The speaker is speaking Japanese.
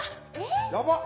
やばっ！